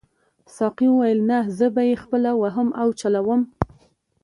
ساقي وویل نه زه به یې خپله وهم او چلاوم.